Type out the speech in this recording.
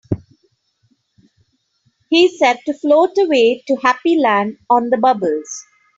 He said to float away to Happy Land on the bubbles.